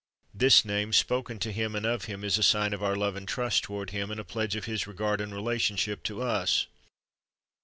This name, spoken to Him and of Him, is a sign of our love and trust toward Him, and a pledge of His regard and relationship to us.